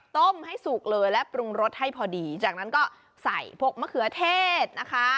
ต้มให้สุกเลยและปรุงรสให้พอดีจากนั้นก็ใส่พวกมะเขือเทศนะคะ